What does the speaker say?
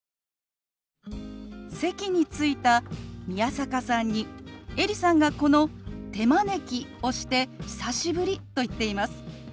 席に着いた宮坂さんにエリさんがこの「手招き」をして「久しぶり」と言っています。